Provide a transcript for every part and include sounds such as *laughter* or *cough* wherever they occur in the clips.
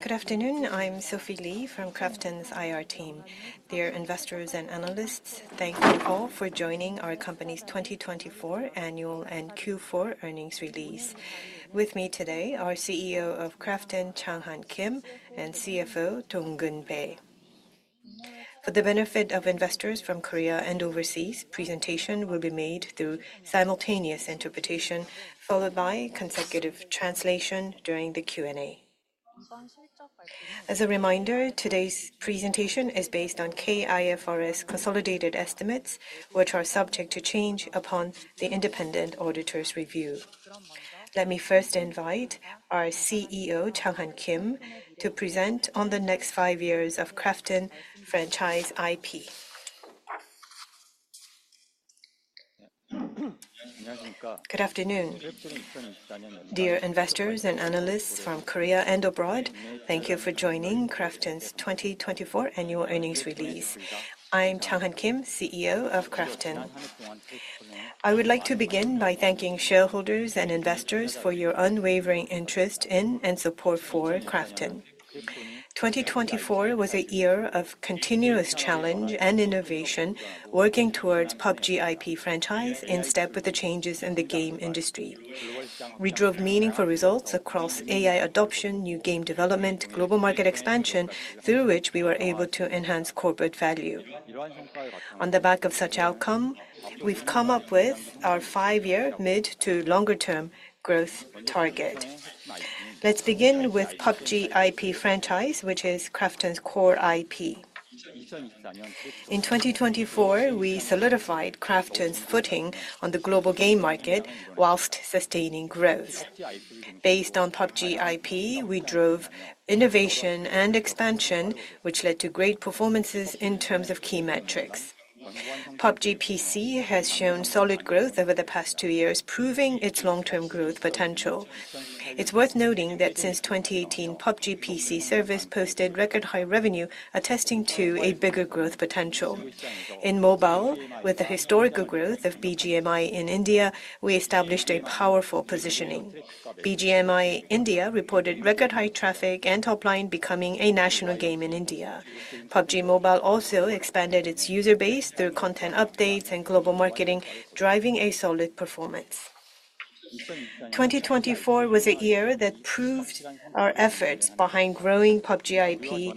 Good afternoon. I'm Sophie Lee from KRAFTON's IR team. Dear investors and analysts, thank you all for joining our company's 2024 annual and Q4 earnings release. With me today are CEO of KRAFTON, Changhan Kim, and CFO, Dongkeun Bae. For the benefit of investors from Korea and overseas, presentation will be made through simultaneous interpretation, followed by consecutive translation during the Q&A. As a reminder, today's presentation is based on K-IFRS consolidated estimates, which are subject to change upon the independent auditor's review. Let me first invite our CEO, Changhan Kim, to present on the next five years of KRAFTON franchise IP. Good afternoon. Dear investors and analysts from Korea and abroad, thank you for joining KRAFTON's 2024 annual earnings release. I'm Changhan Kim, CEO of KRAFTON. I would like to begin by thanking shareholders and investors for your unwavering interest in and support for KRAFTON. 2024 was a year of continuous challenge and innovation, working towards PUBG IP franchise in step with the changes in the game industry. We drove meaningful results across AI adoption, new game development, global market expansion, through which we were able to enhance corporate value. On the back of such outcome, we've come up with our five-year mid- to longer-term growth target. Let's begin with PUBG IP franchise, which is KRAFTON's core IP. In 2024, we solidified KRAFTON's footing on the global game market while sustaining growth. Based on PUBG IP, we drove innovation and expansion, which led to great performances in terms of key metrics. PUBG PC has shown solid growth over the past two years, proving its long-term growth potential. It's worth noting that since 2018, PUBG PC service posted record high revenue, attesting to a bigger growth potential. In mobile, with the historical growth of BGMI in India, we established a powerful positioning. BGMI India reported record high traffic and top line becoming a national game in India. PUBG Mobile also expanded its user base through content updates and global marketing, driving a solid performance. 2024 was a year that proved our efforts behind growing PUBG IP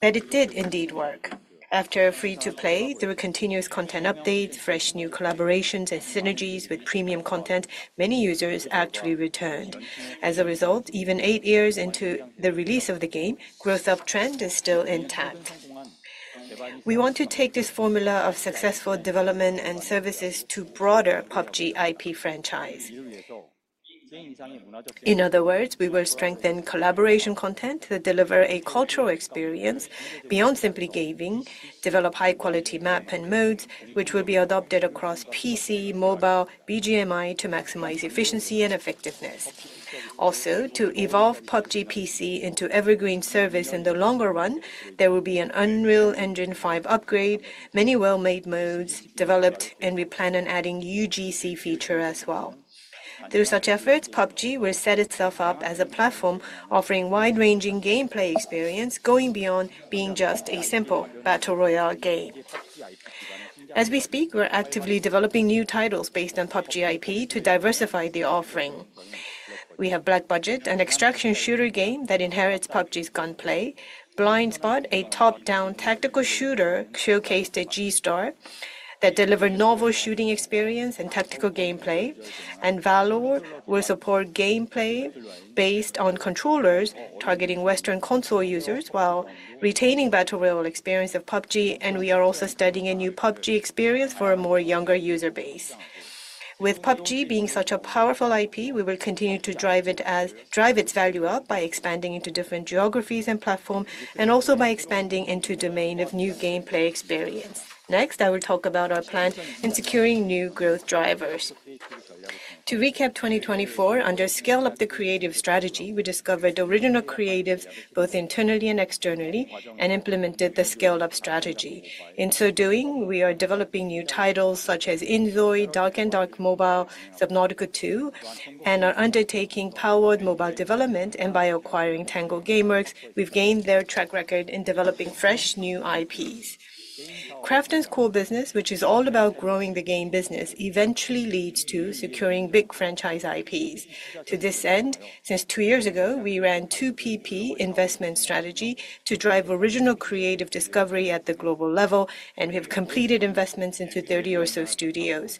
that it did indeed work. After a free-to-play, there were continuous content updates, fresh new collaborations, and synergies with premium content. Many users actually returned. As a result, even eight years into the release of the game, growth uptrend is still intact. We want to take this formula of successful development and services to broader PUBG IP franchise. In other words, we will strengthen collaboration content to deliver a cultural experience beyond simply gaming, develop high-quality map and modes, which will be adopted across PC, mobile, BGMI to maximize efficiency and effectiveness. Also, to evolve PUBG PC into evergreen service in the longer run, there will be an Unreal Engine 5 upgrade, many well-made modes developed, and we plan on adding UGC feature as well. Through such efforts, PUBG will set itself up as a platform offering wide-ranging gameplay experience going beyond being just a simple battle royale game. As we speak, we're actively developing new titles based on PUBG IP to diversify the offering. We have Black Budget, an extraction shooter game that inherits PUBG's gunplay. Blind Spot, a top-down tactical shooter showcased at G-Star that delivered novel shooting experience and tactical gameplay. valor will support gameplay based on controllers, targeting Western console users while retaining battle royale experience of PUBG. We are also studying a new PUBG experience for a more younger user base. With PUBG being such a powerful IP, we will continue to drive its value up by expanding into different geographies and platforms, and also by expanding into the domain of new gameplay experience. Next, I will talk about our plan in securing new growth drivers. To recap 2024, under Scale-Up the Creative strategy, we discovered original creatives both internally and externally and implemented the scale-up strategy. In so doing, we are developing new titles such as inZOI, Dark and Darker Mobile, Subnautica 2, and are undertaking ported mobile development. By acquiring Tango Gameworks, we've gained their track record in developing fresh new IPs. KRAFTON's core business, which is all about growing the game business, eventually leads to securing big franchise IPs. To this end, since two years ago, we ran two PP investment strategies to drive original creative discovery at the global level, and we have completed investments into 30 or so studios.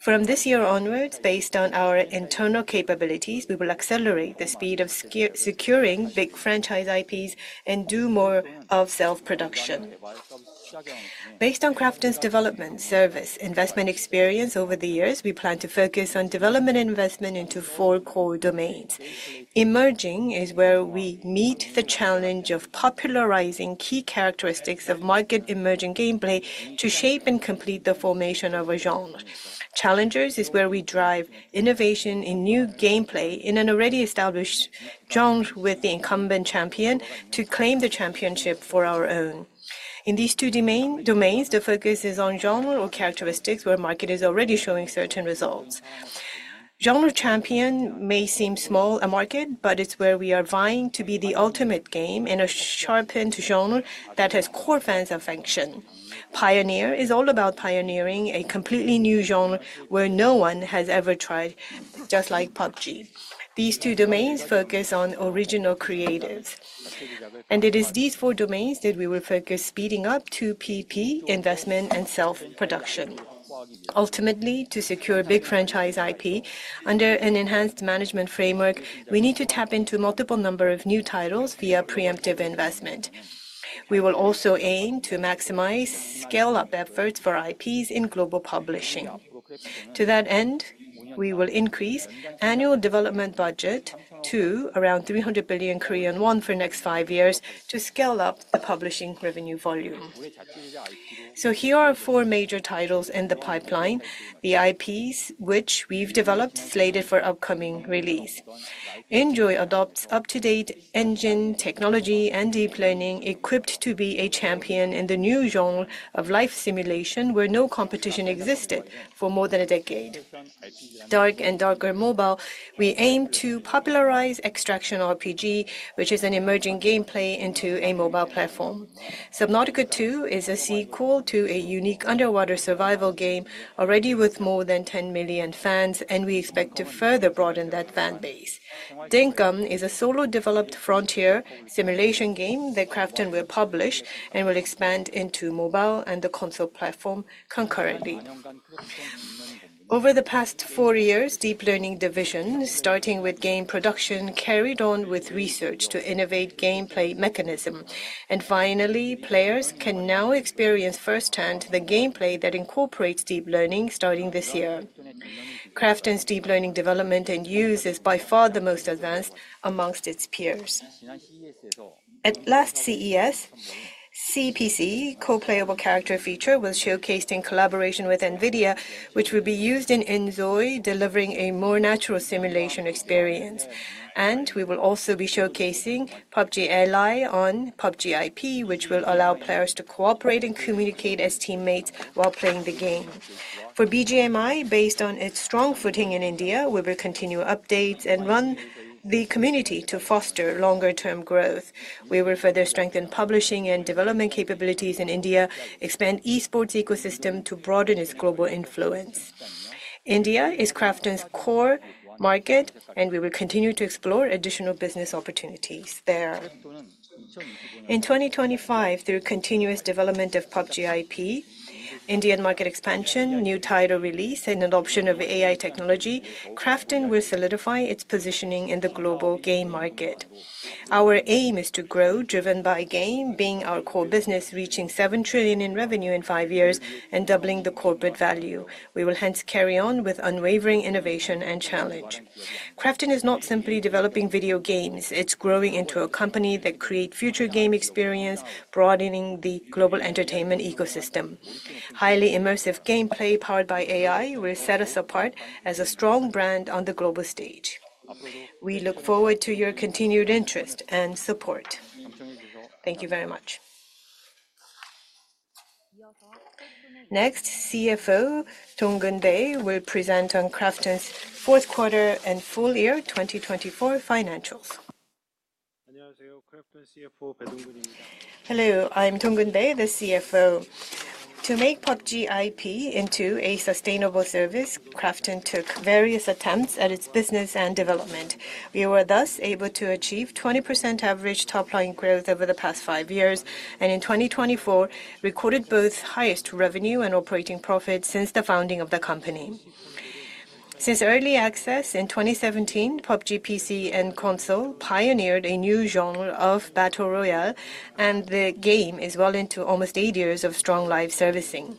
From this year onwards, based on our internal capabilities, we will accelerate the speed of securing big franchise IPs and do more of self-production. Based on KRAFTON's development, service, investment experience over the years, we plan to focus on development and investment into four core domains. Emerging is where we meet the challenge of popularizing key characteristics of market emerging gameplay to shape and complete the formation of a genre. Challengers is where we drive innovation in new gameplay in an already established genre with the incumbent champion to claim the championship for our own. In these two domains, the focus is on genre or characteristics where the market is already showing certain results. Genre Champion may seem like a small market, but it's where we are vying to be the ultimate game in a sharpened genre that has core fans' affection. Pioneer is all about pioneering a completely new genre where no one has ever tried, just like PUBG. These two domains focus on original creatives. And it is these four domains that we will focus on speeding up 2PP investment and self-production. Ultimately, to secure big franchise IP under an enhanced management framework, we need to tap into multiple numbers of new titles via preemptive investment. We will also aim to maximize scale-up efforts for IPs in global publishing. To that end, we will increase annual development budget to around 300 billion Korean won for the next five years to scale up the publishing revenue volume. So here are four major titles in the pipeline, the IPs which we've developed slated for upcoming release. inZOI adopts up-to-date engine technology and deep learning, equipped to be a champion in the new genre of life simulation where no competition existed for more than a decade. Dark and Darker Mobile, we aim to popularize extraction RPG, which is an emerging gameplay into a mobile platform. Subnautica 2 is a sequel to a unique underwater survival game, already with more than 10 million fans, and we expect to further broaden that fan base. Dinkum is a solo-developed frontier simulation game that KRAFTON will publish and will expand into mobile and the console platform concurrently. Over the past four years, Deep Learning Division, starting with game production, carried on with research to innovate gameplay mechanism. Finally, players can now experience firsthand the gameplay that incorporates deep learning starting this year. KRAFTON's Deep Learning development and use is by far the most advanced among its peers. At last CES, CPC, co-playable character feature, was showcased in collaboration with NVIDIA, which will be used in inZOI, delivering a more natural simulation experience. We will also be showcasing PUBG Ally on PUBG IP, which will allow players to cooperate and communicate as teammates while playing the game. For BGMI, based on its strong footing in India, we will continue updates and run the community to foster longer-term growth. We will further strengthen publishing and development capabilities in India, expand e-sports ecosystem to broaden its global influence. India is KRAFTON's core market, and we will continue to explore additional business opportunities there. In 2025, through continuous development of PUBG IP, Indian market expansion, new title release, and adoption of AI technology, KRAFTON will solidify its positioning in the global game market. Our aim is to grow, driven by game being our core business, reaching 7 trillion in revenue in five years and doubling the corporate value. We will hence carry on with unwavering innovation and challenge. KRAFTON is not simply developing video games. It's growing into a company that creates future game experience, broadening the global entertainment ecosystem. Highly immersive gameplay powered by AI will set us apart as a strong brand on the global stage. We look forward to your continued interest and support. Thank you very much. Next, CFO Dong-geun Bae will present on KRAFTON's fourth quarter and full year 2024 financials. am KRAFTON CFO Dongkeun Bae. Hello. I'm Dongkeun Bae, the CFO. To make PUBG IP into a sustainable service, KRAFTON took various attempts at its business and development. We were thus able to achieve 20% average top line growth over the past five years, and in 2024, recorded both highest revenue and operating profit since the founding of the company. Since early access in 2017, PUBG PC and console pioneered a new genre of battle royale, and the game is well into almost eight years of strong live servicing.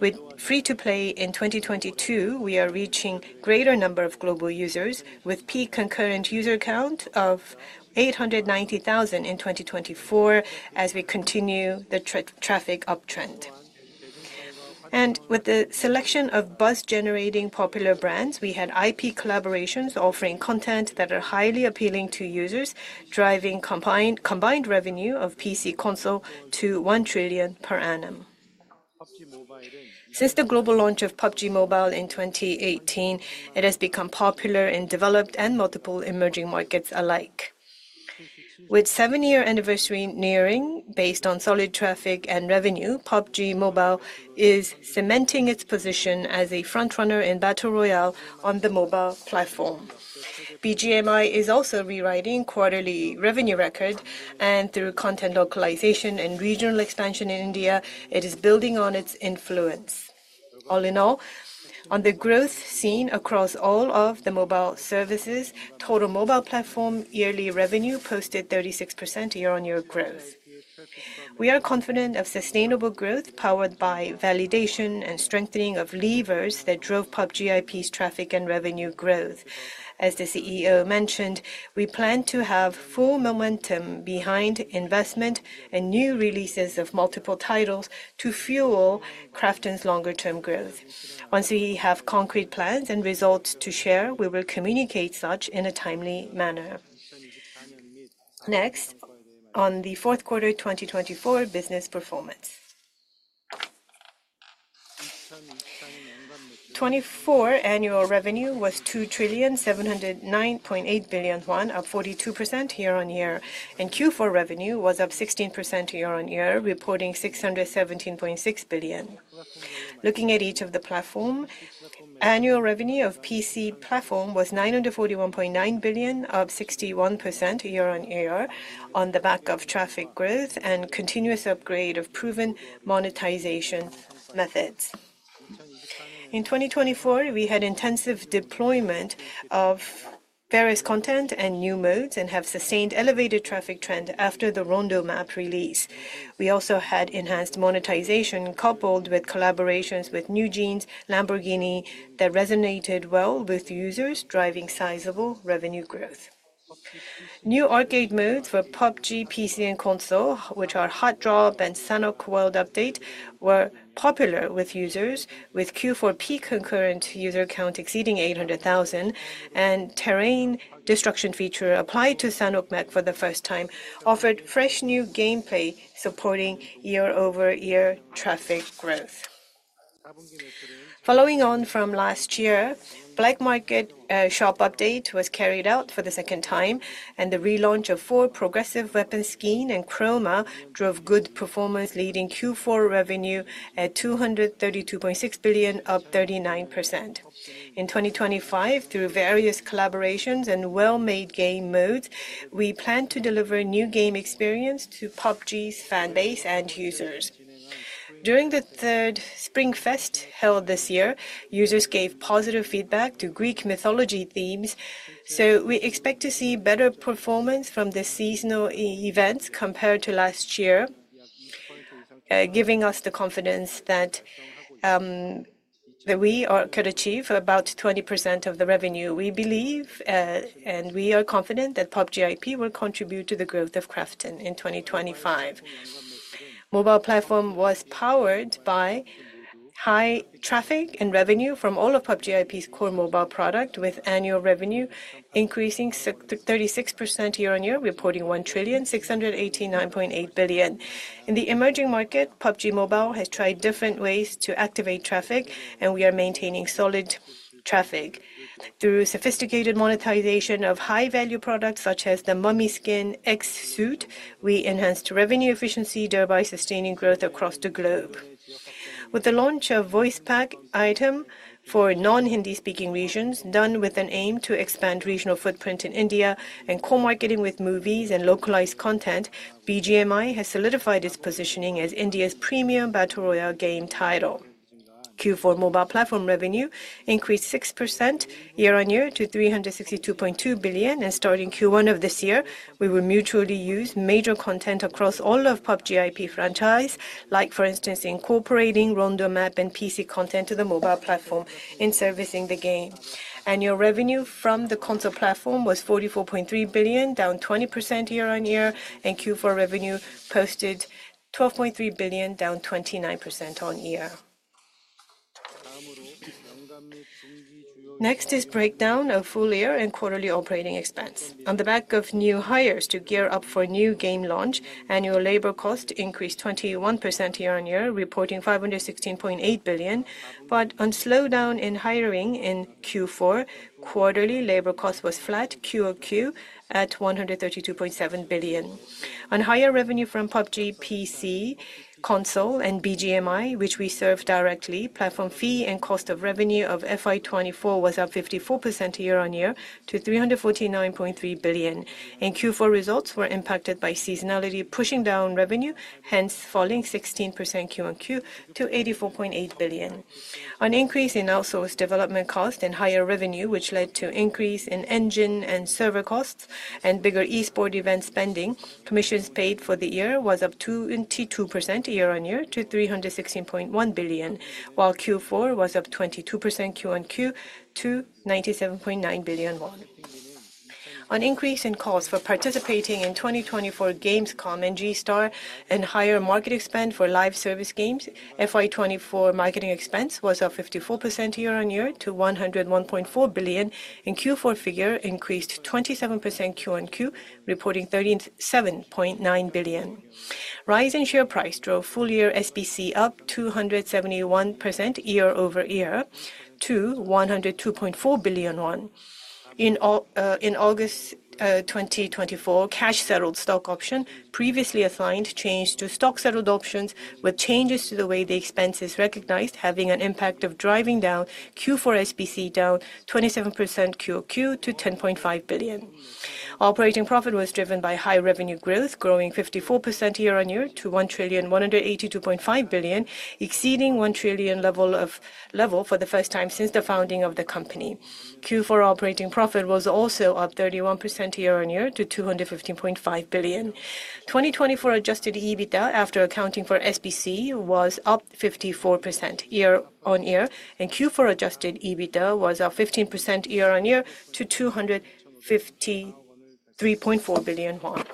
With free-to-play in 2022, we are reaching a greater number of global users with peak concurrent user count of 890,000 in 2024 as we continue the traffic uptrend, and with the selection of buzz-generating popular brands, we had IP collaborations offering content that are highly appealing to users, driving combined revenue of PC console to 1 trillion per annum. Since the global launch of PUBG Mobile in 2018, it has become popular and developed in multiple emerging markets alike. With seven-year anniversary nearing based on solid traffic and revenue, PUBG Mobile is cementing its position as a frontrunner in battle royale on the mobile platform. BGMI is also rewriting quarterly revenue records, and through content localization and regional expansion in India, it is building on its influence. All in all, on the growth seen across all of the mobile services, total mobile platform yearly revenue posted 36% year-on-year growth. We are confident of sustainable growth powered by validation and strengthening of levers that drove PUBG IP's traffic and revenue growth. As the CEO mentioned, we plan to have full momentum behind investment and new releases of multiple titles to fuel KRAFTON's longer-term growth. Once we have concrete plans and results to share, we will communicate such in a timely manner. Next, on the fourth quarter 2024 business performance. 2024 annual revenue was 2 trillion 709.8 billion, up 42% year-on-year. And Q4 revenue was up 16% year-on-year, reporting 617.6 billion. Looking at each of the platforms, annual revenue of PC platform was 941.9 billion, up 61% year-on-year on the back of traffic growth and continuous upgrade of proven monetization methods. In 2024, we had intensive deployment of various content and new modes and have sustained elevated traffic trend after the Rondo map release. We also had enhanced monetization coupled with collaborations with NewJeans and Lamborghini that resonated well with users, driving sizable revenue growth. New arcade modes for PUBG, PC, and console, which are Hot Drop and Sanhok World Update, were popular with users, with Q4 peak concurrent user count exceeding 800,000. The terrain destruction feature applied to Sanhok map for the first time offered fresh new gameplay supporting year-over-year traffic growth. Following on from last year, Black Market Shop Update was carried out for the second time, and the relaunch of four progressive weapon skins and Chroma drove good performance, leading Q4 revenue at 232.6 billion, up 39%. In 2025, through various collaborations and well-made game modes, we plan to deliver new game experience to PUBG's fan base and users. During the third Spring Fest held this year, users gave positive feedback to Greek mythology themes, so we expect to see better performance from the seasonal events compared to last year, giving us the confidence that we could achieve about 20% of the revenue. We believe, and we are confident that PUBG IP will contribute to the growth of KRAFTON in 2025. Mobile platform was powered by high traffic and revenue from all of PUBG IP's core mobile product, with annual revenue increasing 36% year-on-year, reporting 1 trillion 689.8 billion. In the emerging market, PUBG Mobile has tried different ways to activate traffic, and we are maintaining solid traffic. Through sophisticated monetization of high-value products such as the Mummy X-Suit, we enhanced revenue efficiency, thereby sustaining growth across the globe. With the launch of voice pack item for non-Hindi speaking regions, done with an aim to expand regional footprint in India and co-marketing with movies and localized content, BGMI has solidified its positioning as India's premium battle royale game title. Q4 mobile platform revenue increased 6% year-on-year to 362.2 billion, and starting Q1 of this year, we will mutually use major content across all of PUBG IP franchise, like for instance, incorporating Rondo map and PC content to the mobile platform in servicing the game. Annual revenue from the console platform was 44.3 billion, down 20% year-on-year, and Q4 revenue posted 12.3 billion, down 29% on year. Next is breakdown of full year and quarterly operating expense. On the back of new hires to gear up for new game launch, annual labor cost increased 21% year-on-year, reporting 516.8 billion, but on slowdown in hiring in Q4, quarterly labor cost was flat, QOQ at 132.7 billion. On higher revenue from PUBG, PC, console, and BGMI, which we serve directly, platform fee and cost of revenue of FY24 was up 54% year-on-year to 349.3 billion. Q4 results were impacted by seasonality pushing down revenue, hence falling 16% QOQ to 84.8 billion. On increase in outsource development cost and higher revenue, which led to increase in engine and server costs and bigger e-sport event spending, commissions paid for the year was up 22% year-on-year to 316.1 billion, while Q4 was up 22% QOQ to 97.9 billion won. On increase in cost for participating in 2024 Gamescom and G-Star and higher market expend for live service games, FY24 marketing expense was up 54% year-on-year to 101.4 billion, and Q4 figure increased 27% QOQ, reporting 37.9 billion. Rise in share price drove full year SPC up 271% year-over-year to 102.4 billion won. In August 2024, cash settled stock option previously assigned changed to stock settled options, with changes to the way the expense is recognized having an impact of driving down Q4 SPC down 27% QOQ to 10.5 billion. Operating profit was driven by high revenue growth, growing 54% year-on-year to 1 trillion 182.5 billion, exceeding 1 trillion level for the first time since the founding of the company. Q4 operating profit was also up 31% year-on-year to 215.5 billion. 2024 adjusted EBITDA after accounting for SPC was up 54% year-on-year, and Q4 adjusted EBITDA was up 15% year-on-year to 253.4 billion won.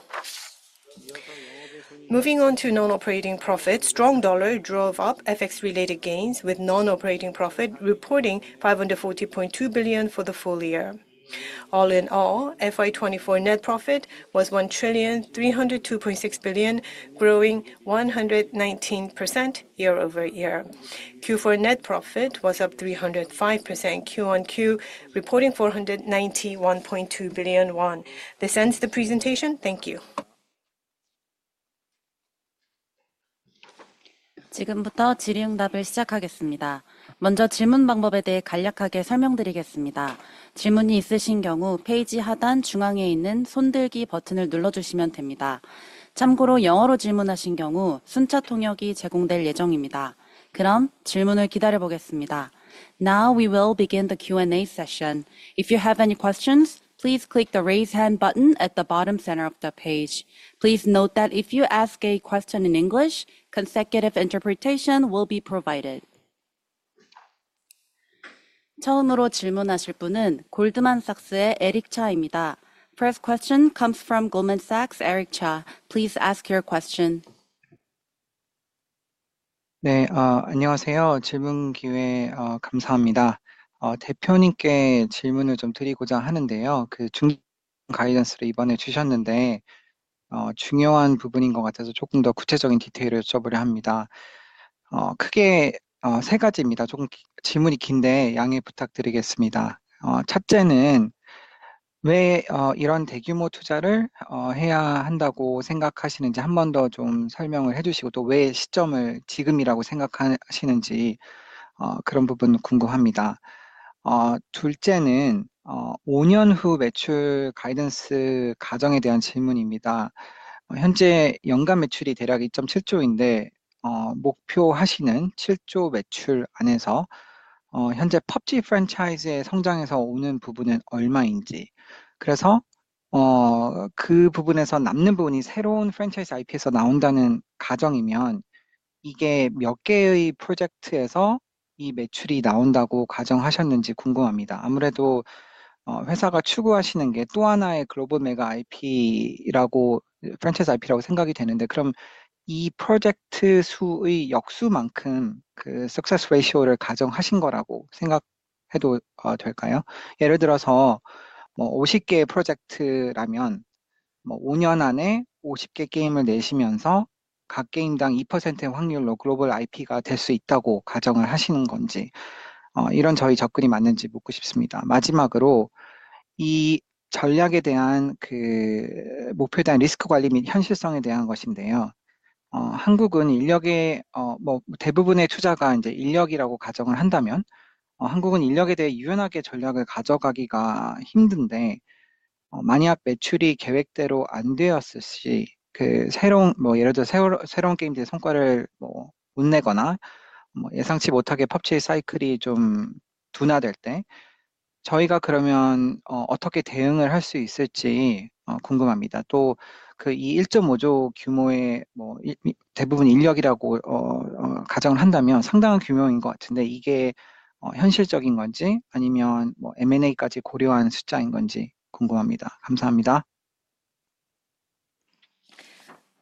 Moving on to non-operating profit, strong dollar drove up FX-related gains with non-operating profit reporting 540.2 billion for the full year. All in all, FY24 net profit was 1 trillion 302.6 billion, growing 119% year-over-year. Q4 net profit was up 305% QOQ, reporting 491.2 billion won. This ends the presentation. Thank you.. Now we will begin the Q&A session. If you have any questions, please click the raise hand button at the bottom center of the page. Please note that if you ask a question in English, consecutive interpretation will be provided. First question comes from Goldman Sachs, Eric Cha. Please ask your question.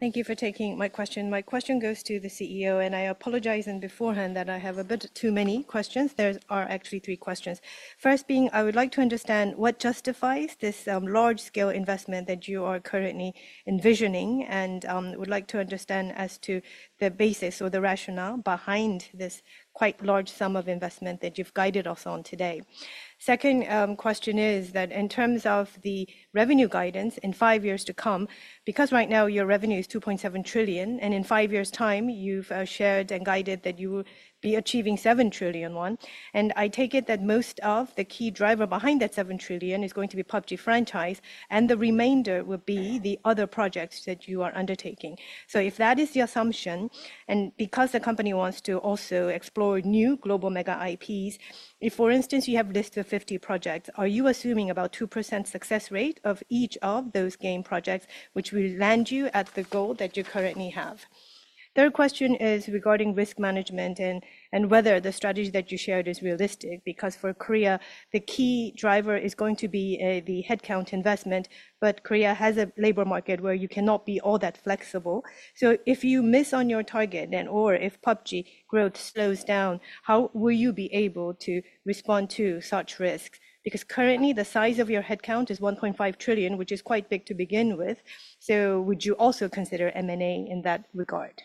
Thank you for taking my question. My question goes to the CEO, and I apologize in advance that I have a bit too many questions. There are actually three questions. First being, I would like to understand what justifies this large-scale investment that you are currently envisioning, and I would like to understand as to the basis or the rationale behind this quite large sum of investment that you've guided us on today. Second question is that in terms of the revenue guidance in five years to come, because right now your revenue is 2.7 trillion and in five years' time you've shared and guided that you will be achieving 7 trillion won, and I take it that most of the key driver behind that 7 trillion is going to be PUBG franchise and the remainder will be the other projects that you are undertaking. So if that is the assumption, and because the company wants to also explore new global mega IPs, if for instance you have a list of 50 projects, are you assuming about 2% success rate of each of those game projects which will land you at the goal that you currently have? Third question is regarding risk management and whether the strategy that you shared is realistic, because for Korea the key driver is going to be the headcount investment, but Korea has a labor market where you cannot be all that flexible. So if you miss on your target and/or if PUBG growth slows down, how will you be able to respond to such risks? Because currently the size of your headcount is 1.5 trillion, which is quite big to begin with, so would you also consider M&A in that regard?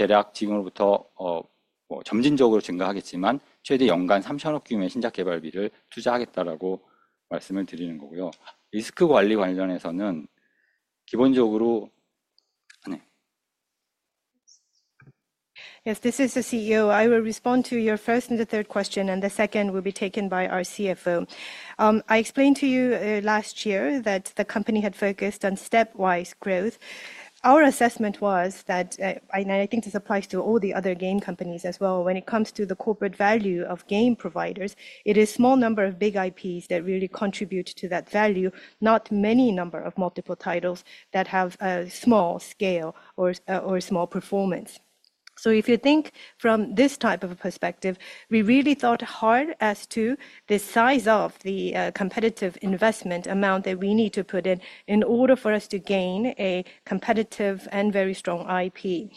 I will respond to your first and the third question, and the second will be taken by our CFO. I explained to you last year that the company had focused on stepwise growth. Our assessment was that, and I think this applies to all the other game companies as well, when it comes to the corporate value of game providers, it is a small number of big IPs that really contribute to that value, not many number of multiple titles that have a small scale or small performance. So if you think from this type of perspective, we really thought hard as to the size of the competitive investment amount that we need to put in in order for us to gain a competitive and very strong IP.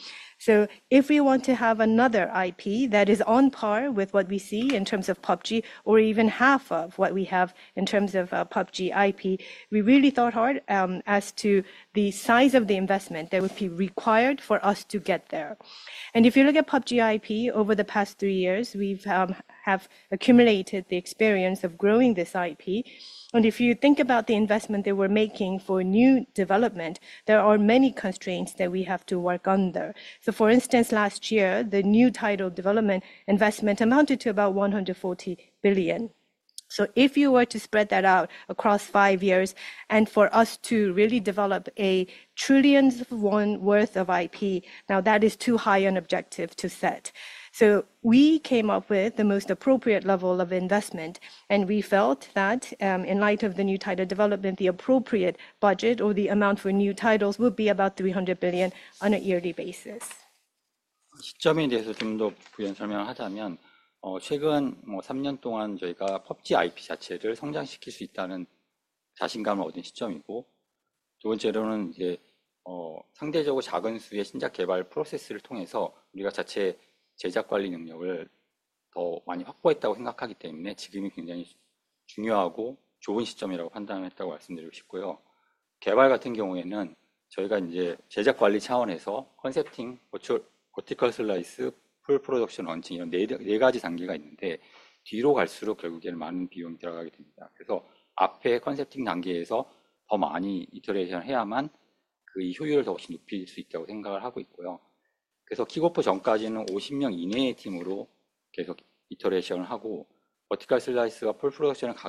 If we want to have another IP that is on par with what we see in terms of PUBG, or even half of what we have in terms of PUBG IP, we really thought hard as to the size of the investment that would be required for us to get there. And if you look at PUBG IP over the past three years, we have accumulated the experience of growing this IP, and if you think about the investment that we're making for new development, there are many constraints that we have to work under. For instance, last year, the new title development investment amounted to about 140 billion. If you were to spread that out across five years and for us to really develop a 1 trillion worth of IP, now that is too high an objective to set. So we came up with the most appropriate level of investment, and we felt that in light of the new title development, the appropriate budget or the amount for new titles would be about KRW 300 billion on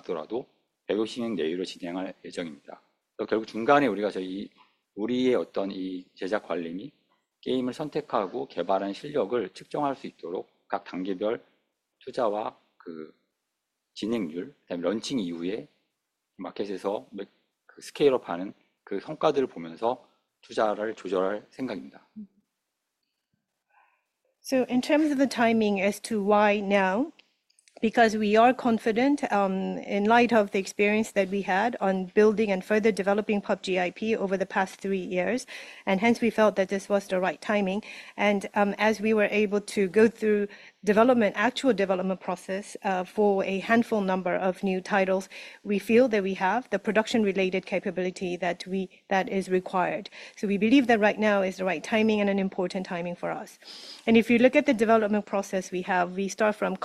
a yearly basis.. So in terms of the timing as to why now, because we are confident in light of the experience that we had on building and further developing PUBG IP over the past three years, and hence we felt that this was the right timing. And as we were able to go through development, actual development process for a handful of new titles, we feel that we have the production-related capability that is required. So we believe that right now is the right timing and an important timing for us. And if you look at the development process we have, we start from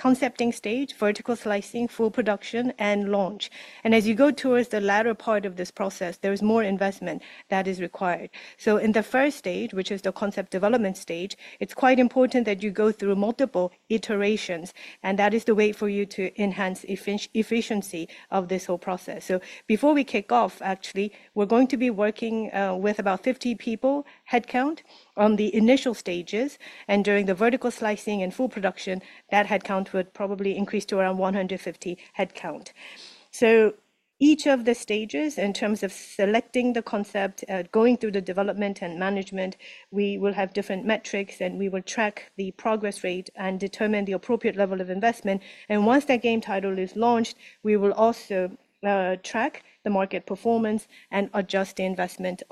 concepting stage, vertical slice, full production, and launch. As you go towards the latter part of this process, there's more investment that is required. In the first stage, which is the concept development stage, it's quite important that you go through multiple iterations, and that is the way for you to enhance the efficiency of this whole process. Before we kick off, actually, we're going to be working with about 50 people headcount on the initial stages, and during the vertical slicing and full production, that headcount would probably increase to around 150 headcount. Each of the stages, in terms of selecting the concept, going through the development and management, we will have different metrics, and we will track the progress rate and determine the appropriate level of investment. Once that game title is launched, we will also track the market performance and adjust the investment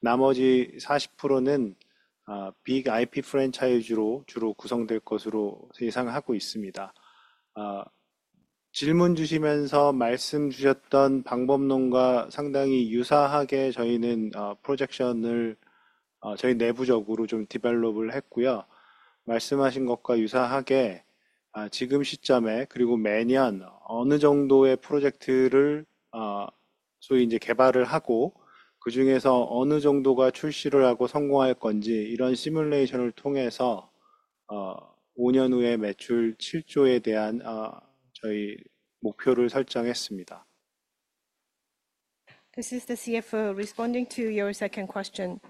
accordingly.니. This is the CFO responding to your second question.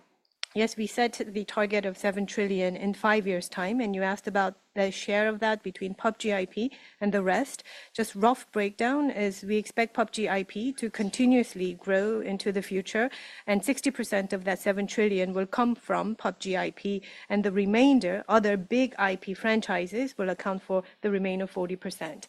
Yes, we set the target of 7 trillion in five years' time, and you asked about the share of that between PUBG IP and the rest. Just a rough breakdown is we expect PUBG IP to continuously grow into the future, and 60% of that 7 trillion will come from PUBG IP, and the remainder, other big IP franchises, will account for the remaining 40%.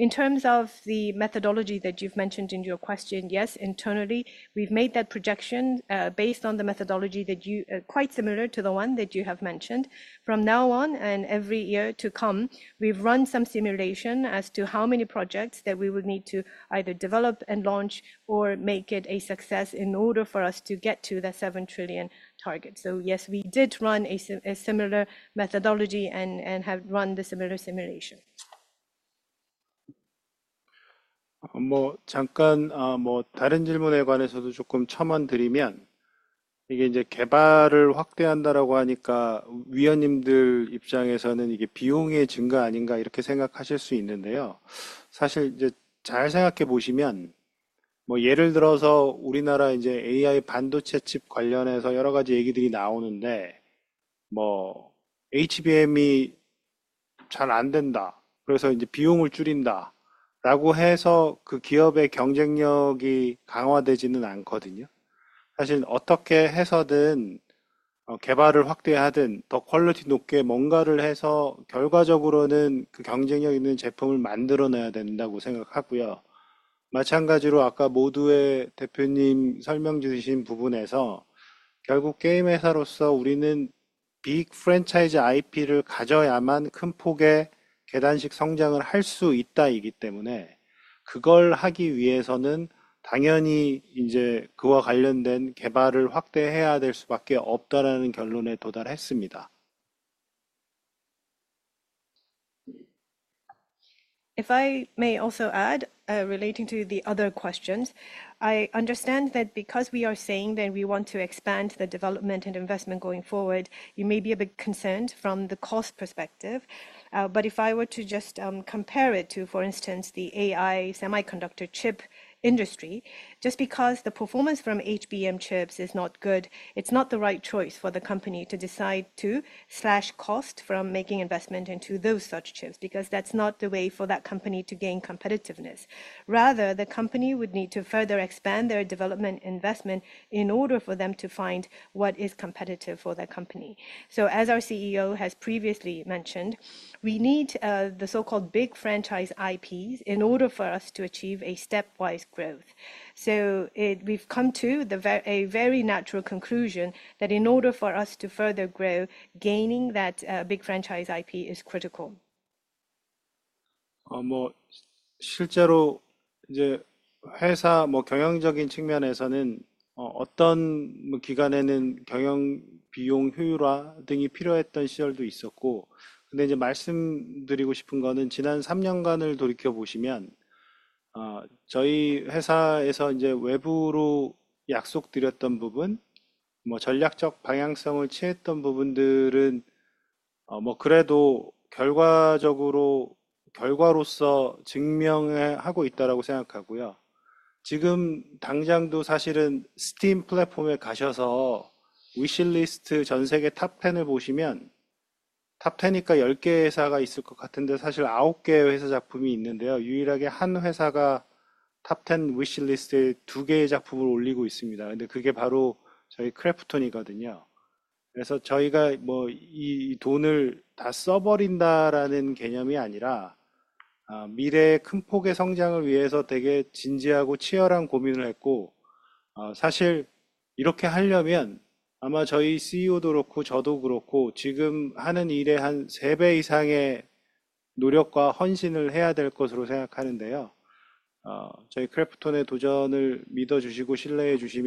In terms of the methodology that you've mentioned in your question, yes, internally we've made that projection based on the methodology that's quite similar to the one that you have mentioned. From now on and every year to come, we've run some simulations as to how many projects that we would need to either develop and launch or make it a success in order for us to get to that 7 trillion target. So yes, we did run a similar methodology and have run the similar simulations.(Foriegn Language)I may also add relating to the other questions, I understand that because we are saying that we want to expand the development and investment going forward, you may be a bit concerned from the cost perspective. But if I were to just compare it to, for instance, the AI semiconductor chip industry, just because the performance from HBM chips is not good, it's not the right choice for the company to decide to slash cost from making investment into those such chips, because that's not the way for that company to gain competitiveness. Rather, the company would need to further expand their development investment in order for them to find what is competitive for their company. So as our CEO has previously mentioned, we need the so-called big franchise IPs in order for us to achieve a stepwise growth. So we've come to a very natural conclusion that in order for us to further grow, gaining that big franchise IP is critical.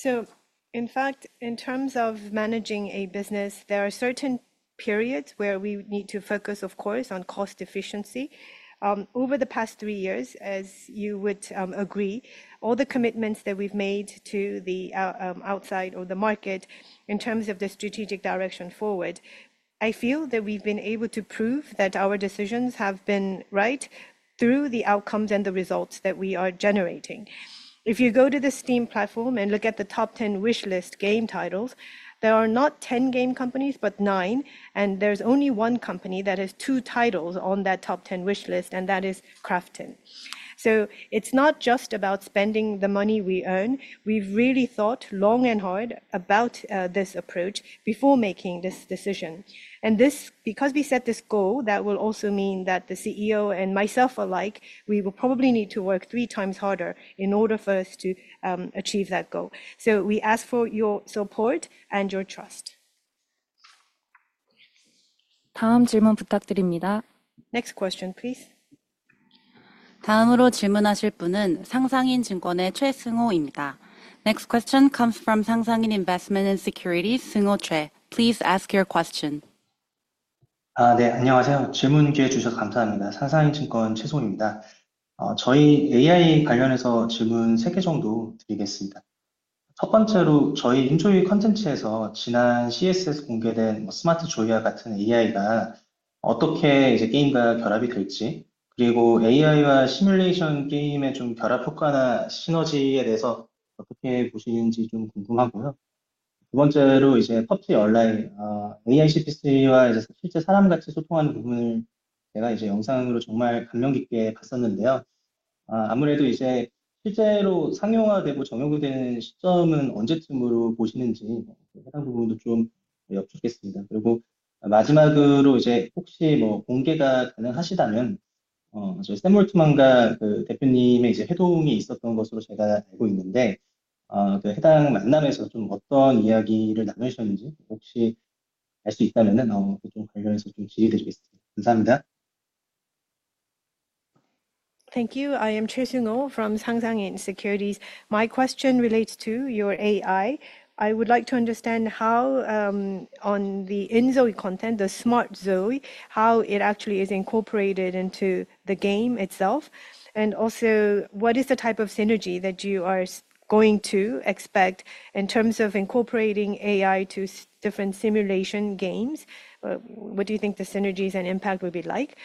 *unintelligible* In fact, in terms of managing a business, there are certain periods where we need to focus, of course, on cost efficiency. Over the past three years, as you would agree, all the commitments that we've made to the outside or the market in terms of the strategic direction forward, I feel that we've been able to prove that our decisions have been right through the outcomes and the results that we are generating. If you go to the Steam platform and look at the top 10 wishlist game titles, there are not 10 game companies but nine, and there's only one company that has two titles on that top 10 wishlist, and that is KRAFTON. So it's not just about spending the money we earn. We've really thought long and hard about this approach before making this decision. And this, because we set this goal, that will also mean that the CEO and myself alike, we will probably need to work three times harder in order for us to achieve that goal. So we ask for your support and your trust.. Next question, please. *unintelligible* Thank you. I am Seungho Choi from Sangsangin Investment & Securities. My question relates to your AI. I would like to understand how, on the inZOI content, the Smart Zoi, how it actually is incorporated into the game itself, and also what is the type of synergy that you are going to expect in terms of incorporating AI to different simulation games? What do you think the synergies and impact would be like?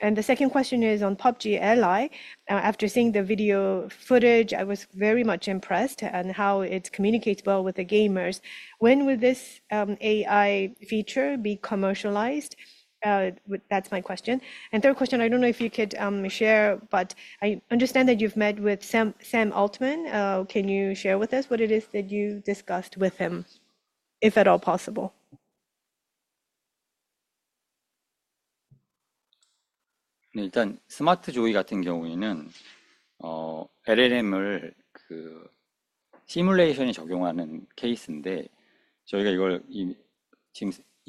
And the second question is on PUBG Ally. After seeing the video footage, I was very much impressed and how it communicates well with the gamers. When will this AI feature be commercialized? That's my question. Third question, I don't know if you could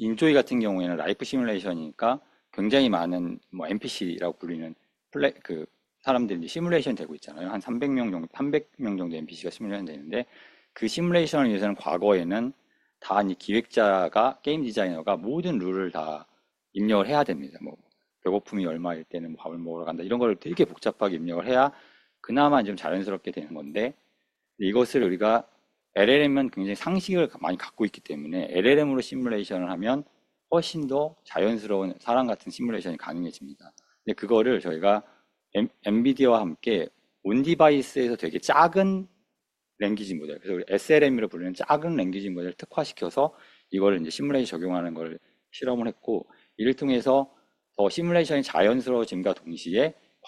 share, but I understand that you've met with Sam Altman. Can you share with us what it is that you discussed with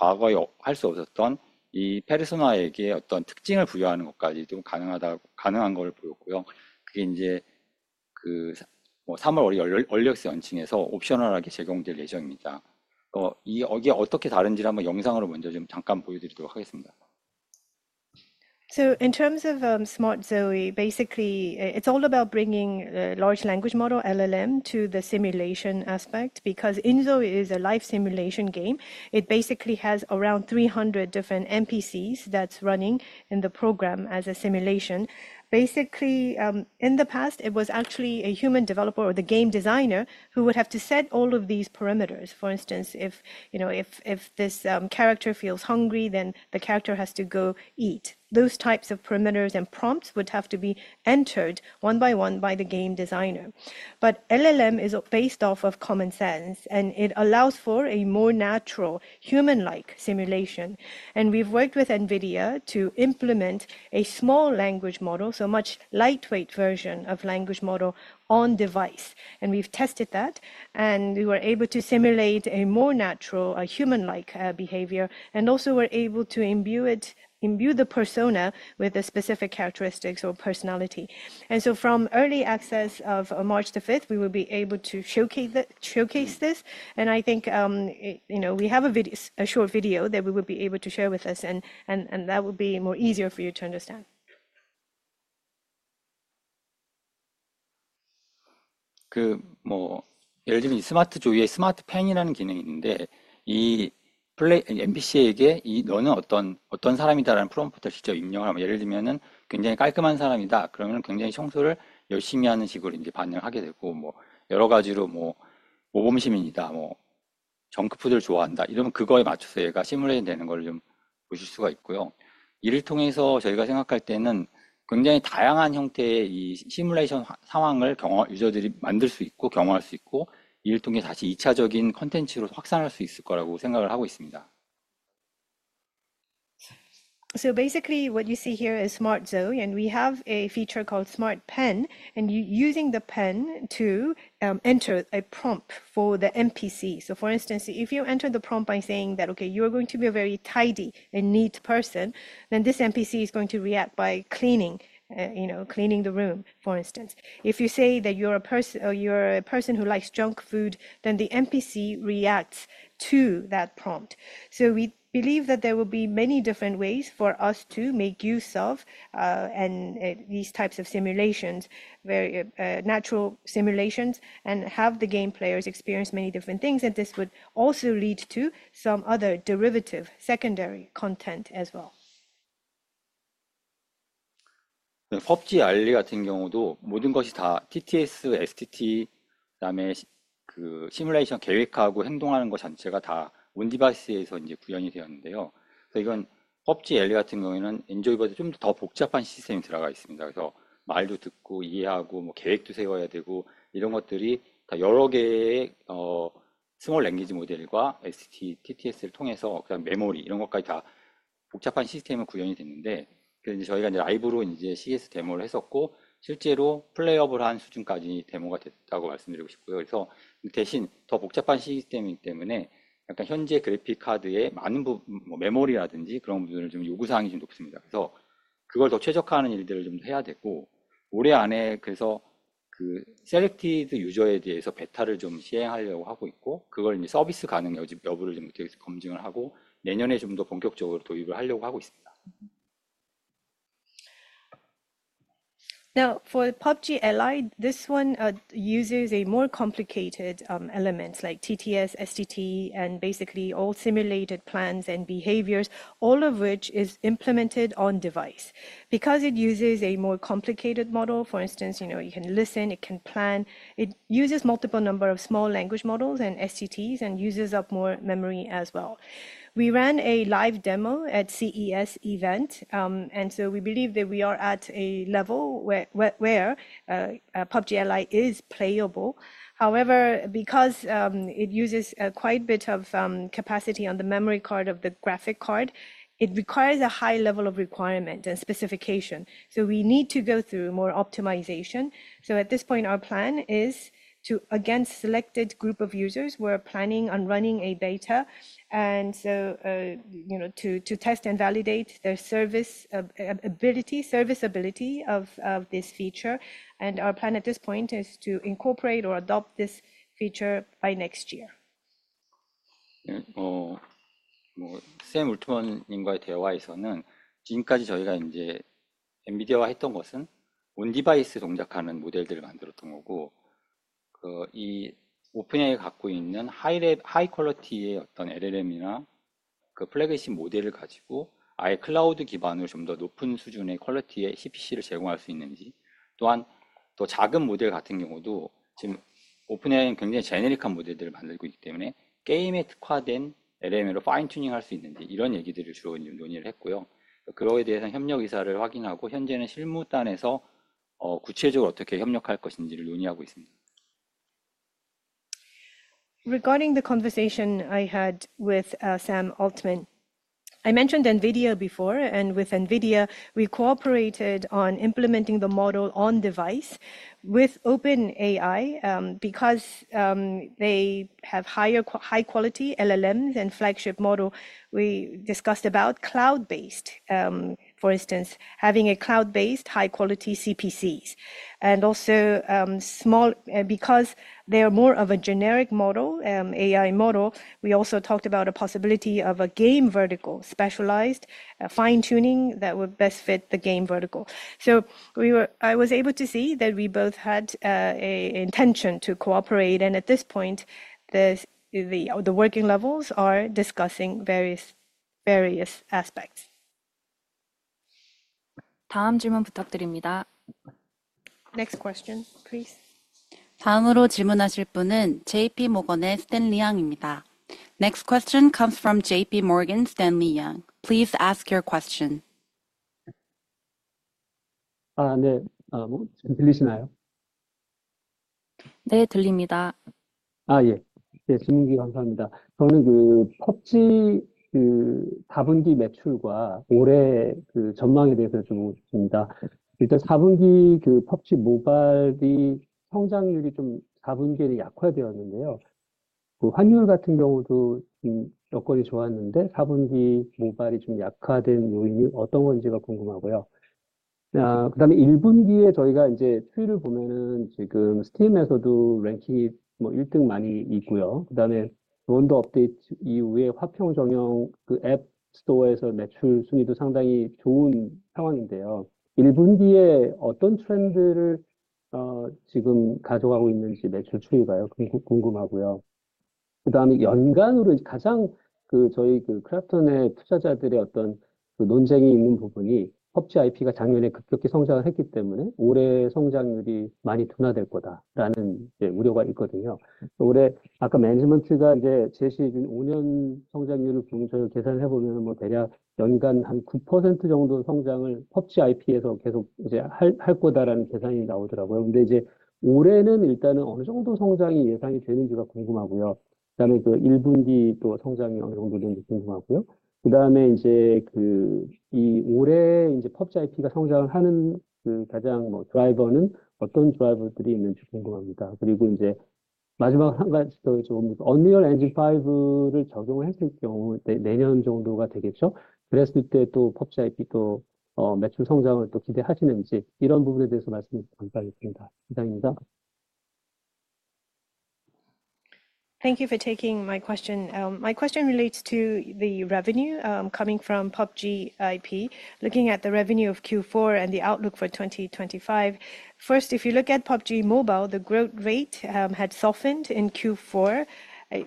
him, if at all possible? *unintelligible* So in terms of Smart ZOI, basically it's all about bringing the large language model LLM to the simulation aspect because inZOI is a live simulation game. It basically has around 300 different NPCs that's running in the program as a simulation. Basically, in the past, it was actually a human developer or the game designer who would have to set all of these parameters. For instance, if you know if this character feels hungry, then the character has to go eat. Those types of parameters and prompts would have to be entered one by one by the game designer. But LLM is based off of common sense, and it allows for a more natural human-like simulation. And we've worked with NVIDIA to implement a small language model, so a much lightweight version of language model on device. And we've tested that, and we were able to simulate a more natural human-like behavior, and also we're able to imbue it, imbue the persona with a specific characteristics or personality. And so from early access of March the 5th, we will be able to showcase this. And I think, you know, we have a short video that we will be able to share with us, and that will be more easier for you to understand *unintelligible* Basically what you see here is Smart ZOI, and we have a feature called smart pen, and using the pen to enter a prompt for the NPC. So for instance, if you enter the prompt by saying that, okay, you are going to be a very tidy and neat person, then this NPC is going to react by cleaning, you know, cleaning the room. For instance, if you say that you're a person, you're a person who likes junk food, then the NPC reacts to that prompt. So we believe that there will be many different ways for us to make use of, and these types of simulations, very, natural simulations and have the game players experience many different things. And this would also lead to some other derivative secondary content as well. PUBG Ally *unintelligible* es a more complicated elements like TTS, STT, and basically all simulated plans and behaviors, all of which is implemented on device because it uses a more complicated model. For instance, you know, you can listen, it can plan, it uses multiple number of small language models and STTs and uses up more memory as well. We ran a live demo at CES event, and so we believe that we are at a level where PUBG Ally is playable. However, because it uses quite a bit of capacity on the memory card of the graphic card, it requires a high level of requirement and specification. So we need to go through more optimization. So at this point, our plan is to, against selected group of users, we're planning on running a beta, and so, you know, to test and validate serviceability of this feature. Our plan at this point is to incorporate or adopt this feature by next year. models that operate on device, and for the high-quality LLMs or flagship models that OpenAI has, whether we can provide CPC of a higher level of quality entirely on a cloud basis, and also for smaller models like that, since OpenAI is making very generic models right now, whether we can fine-tune to a game-specific LM, we mainly discussed these things. Regarding that, we confirmed the willingness to cooperate and currently the working level is discussing specifically how we will cooperate. Regarding the conversation I had with Sam Altman, I mentioned NVIDIA before, and with NVIDIA, we cooperated on implementing the model on device with OpenAI, because they have high quality LLMs and flagship model. We discussed about cloud-based, for instance, having a cloud-based high quality CPCs and also small, because they are more of a generic model, AI model. We also talked about a possibility of a game vertical, specialized fine-tuning that would best fit the game vertical. So we were, I was able to see that we both had an intention to cooperate, and at this point, the working levels are discussing various aspects. *unintelligible* Thank you for taking my question. My question relates to the revenue coming from PUBG IP, looking at the revenue of Q4 and the outlook for 2025. First, if you look at PUBG Mobile, the growth rate had softened in Q4.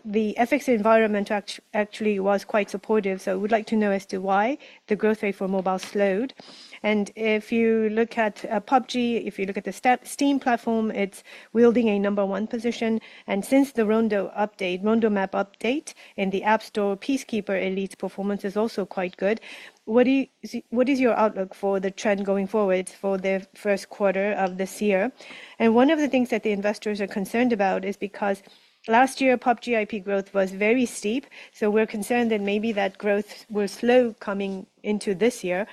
The FX environment actually was quite supportive, so we'd like to know as to why the growth rate for Mobile slowed, and if you look at PUBG, if you look at the Steam platform, it's holding a number one position, and since the Rondo update, Rondo map update in the App Store, Peacekeeper Elite performance is also quite good. What is your outlook for the trend going forward for the first quarter of this year? And one of the things that the investors are concerned about is because last year PUBG IP growth was very steep, so we're concerned that maybe that growth was slow coming into this year.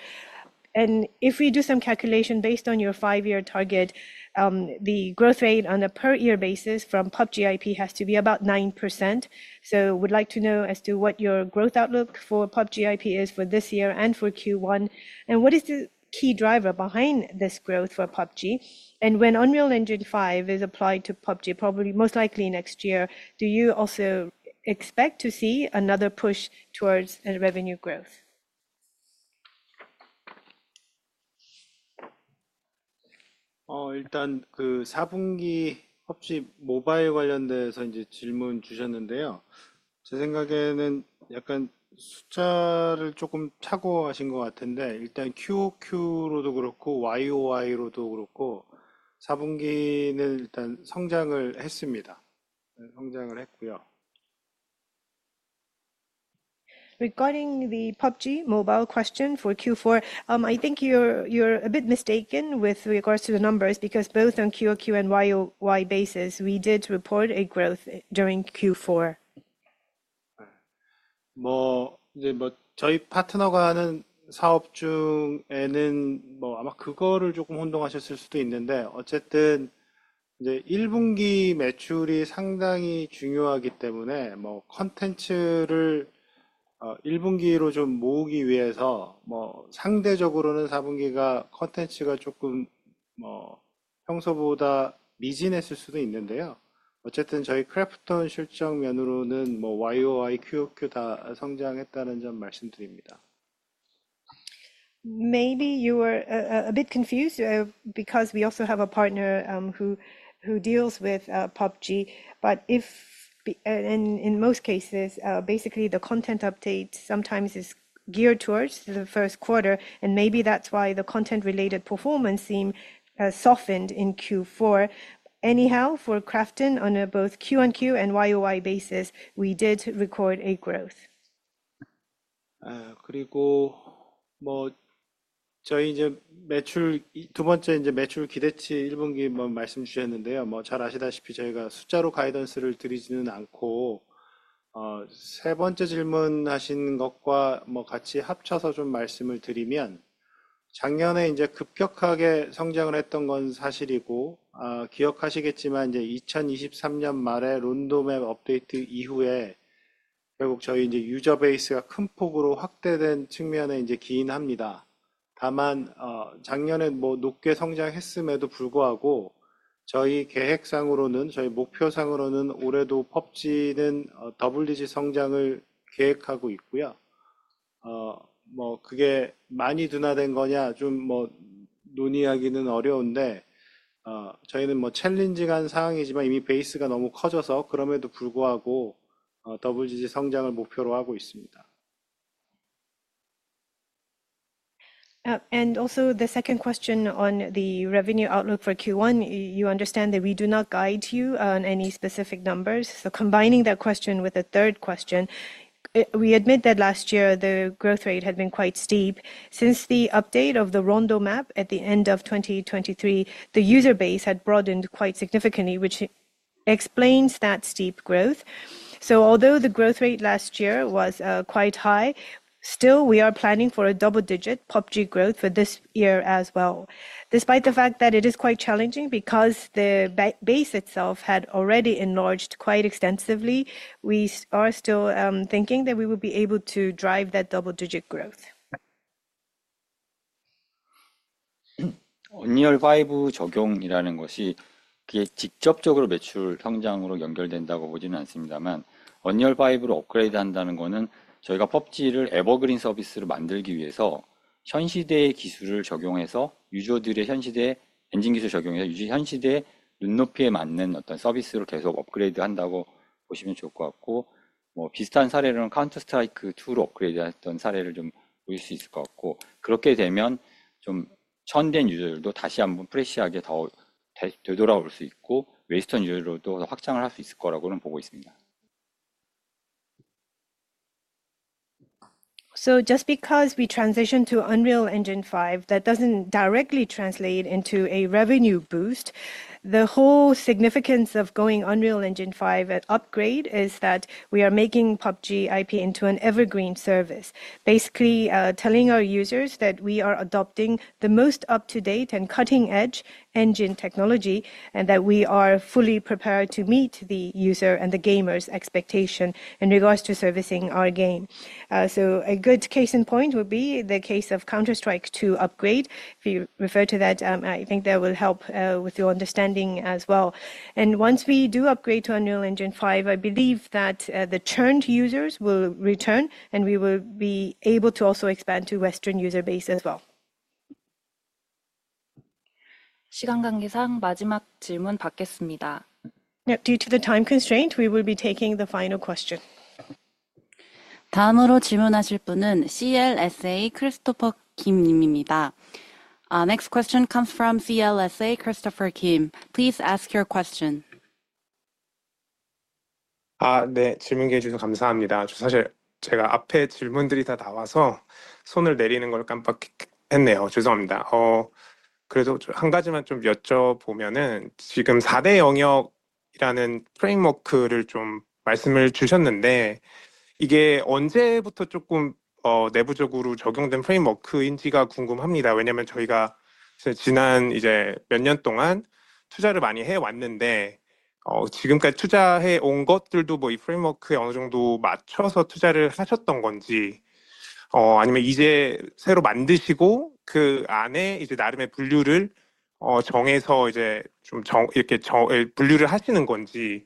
If we do some calculation based on your five-year target, the growth rate on a per-year basis from PUBG IP has to be about 9%. So we'd like to know as to what your growth outlook for PUBG IP is for this year and for Q1, and what is the key driver behind this growth for PUBG? When Unreal Engine 5 is applied to PUBG, probably most likely next year, do you also expect to see another push towards revenue growth? question for Q4, I think you're a bit mistaken with regards to the numbers because both on QOQ and YOY basis, we did report a growth during Q4.. Maybe you were a bit confused because we also have a partner who deals with PUBG, but in most cases basically the content update sometimes is geared towards the first quarter, and maybe that's why the content-related performance seemed softened in Q4. Anyhow, for KRAFTON, on both QOQ and YOY basis, we did record a growth. And also the second question on the revenue outlook for Q1, you understand that we do not guide you on any specific numbers. So combining that question with a third question, we admit that last year the growth rate had been quite steep. Since the update of the Rondo map at the end of 2023, the user base had broadened quite significantly, which explains that steep growth. So although the growth rate last year was quite high, still we are planning for a double-digit PUBG growth for this year as well. Despite the fact that it is quite challenging because the base itself had already enlarged quite extensively, we are still thinking that we will be able to drive that double-digit growthbecause we transition to Unreal Engine 5, that doesn't directly translate into a revenue boost. The whole significance of going Unreal Engine 5 at upgrade is that we are making PUBG IP into an evergreen service, basically telling our users that we are adopting the most up-to-date and cutting-edge engine technology and that we are fully prepared to meet the user and the gamers' expectation in regards to servicing our game. So a good case in point would be the case of Counter-Strike 2 upgrade. If you refer to that, I think that will help with your understanding as well. And once we do upgrade to Unreal Engine 5, I believe that the churned users will return and we will be able to also expand to Western user base as well. framework, or if you newly created it and set your own classifications within it to classify them in this way. Also, in the future, among these four major areas, I am curious which area will have a bit more resources concentrated. And for games like inZOI or Subnautica that are making a stepwise jump, if they are games for which you have high expectations internally, it would be appreciated if you could tell me. And it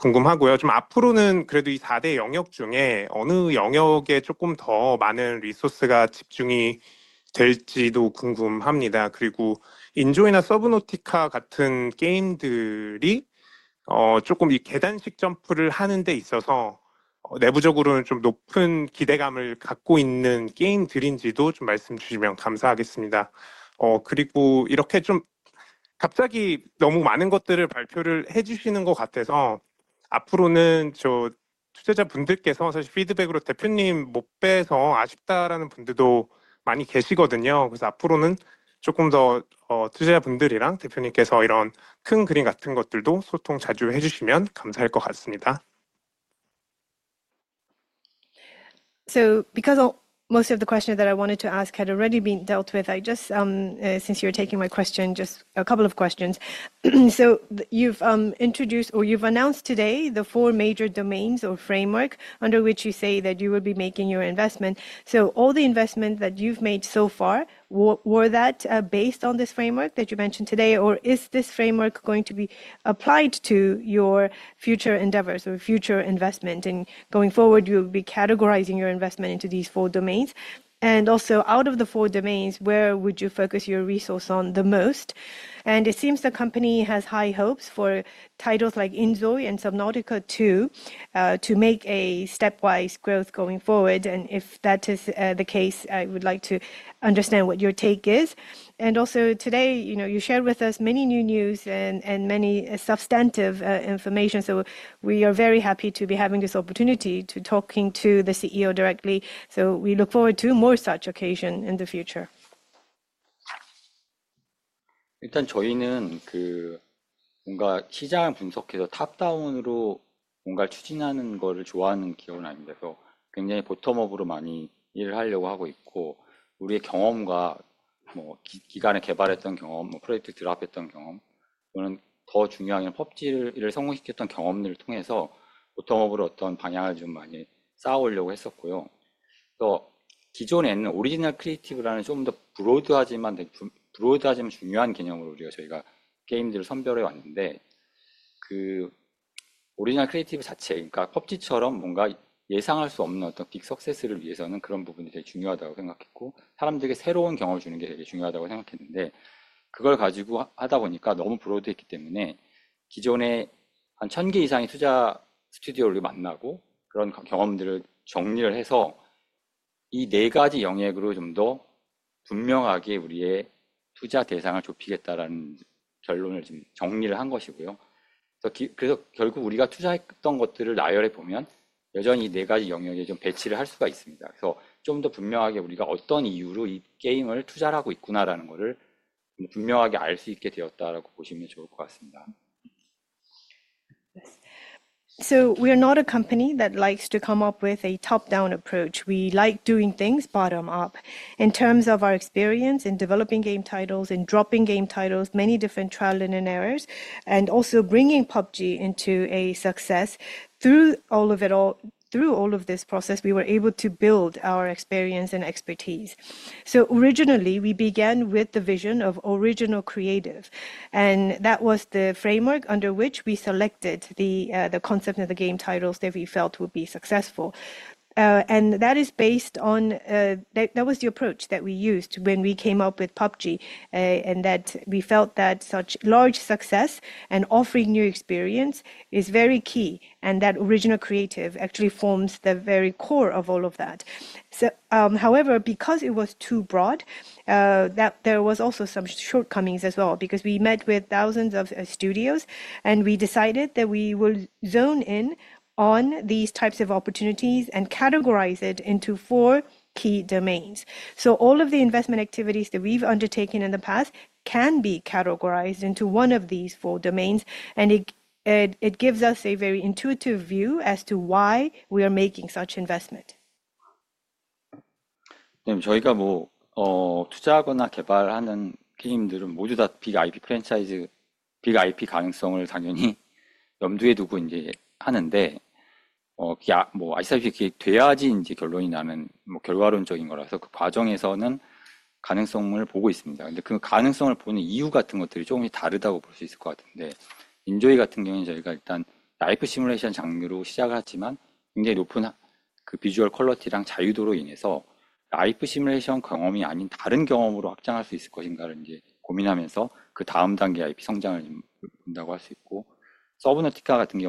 seems like you are announcing too many things so suddenly, so in the future, many investors say in their feedback that it is a pity they could not see the representative. So, in the future, if you could communicate more frequently with investors about such big pictures, it would be appreciated. So, because most of the questions that I wanted to ask had already been dealt with, I just, since you're taking my question, just a couple of questions. So you've introduced or you've announced today the four major domains or framework under which you say that you will be making your investment. So all the investment that you've made so far, were that based on this framework that you mentioned today, or is this framework going to be applied to your future endeavors or future investment? And going forward, you'll be categorizing your investment into these four domains. And also, out of the four domains, where would you focus your resource on the most? And it seems the company has high hopes for titles like inZOI and Subnautica 2 to make a stepwise growth going forward. And if that is the case, I would like to understand what your take is. And also today, you know, you shared with us many new news and many substantive information. So we are very happy to be having this opportunity to talk to the CEO directly. So we look forward to more such occasions in the future. *unintelligible* So we are not a company that likes to come up with a top-down approach. We like doing things bottom-up in terms of our experience in developing game titles, in dropping game titles, many different trials and errors, and also bringing PUBG into a success. Through all of it all, through all of this process, we were able to build our experience and expertise. So originally we began with the vision of original creative, and that was the framework under which we selected the concept of the game titles that we felt would be successful. And that is based on that was the approach that we used when we came up with PUBG, and that we felt that such large success and offering new experience is very key, and that original creative actually forms the very core of all of that. However, because it was too broad, there were also some shortcomings as well, because we met with thousands of studios and we decided that we will zero in on these types of opportunities and categorize it into four key domains. So all of the investment activities that we've undertaken in the past can be categorized into one of these four domains, and it gives us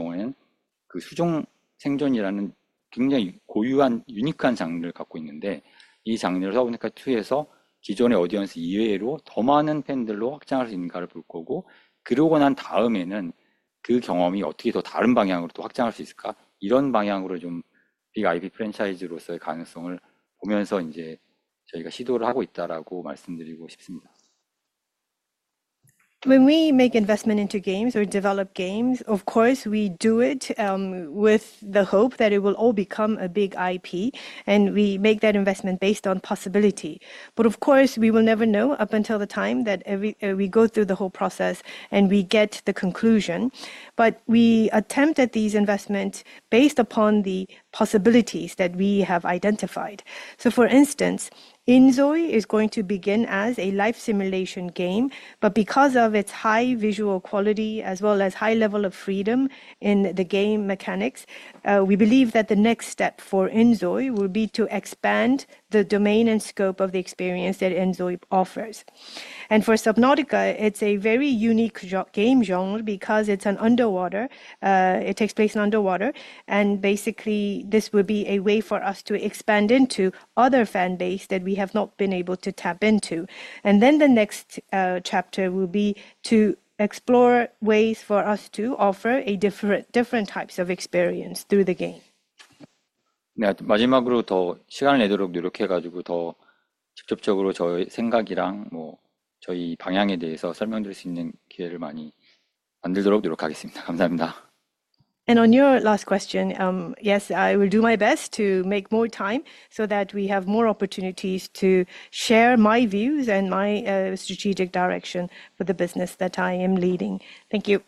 a very intuitive view as to why we are making such investment. *unintelligible* When we make investment into games or develop games, of course we do it with the hope that it will all become a big IP, and we make that investment based on possibility. But of course we will never know up until the time that we go through the whole process and we get the conclusion, but we attempt at these investments based upon the possibilities that we have identified. So for instance, inZOI is going to begin as a life simulation game, but because of its high visual quality as well as high level of freedom in the game mechanics, we believe that the next step for inZOI will be to expand the domain and scope of the experience that inZOI offers. And for Subnautica, it's a very unique game genre because it's an underwater, it takes place in underwater, and basically this will be a way for us to expand into other fan base that we have not been able to tap into. And then the next chapter will be to explore ways for us to offer different types of experience through the game. And on your last question, yes, I will do my best to make more time so that we have more opportunities to share my views and my strategic direction for the business that I am leading. Thank you.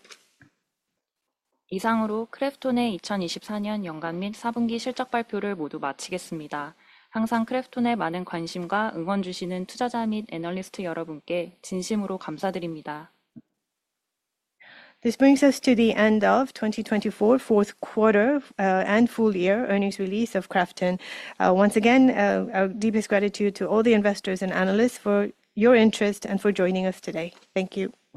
*unintelligible* This brings us to the end of 2024, fourth quarter and full year earnings release of KRAFTON. Once again, our deepest gratitude to all the investors and analysts for your interest and for joining us today. Thank you.